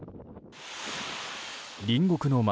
隣国の街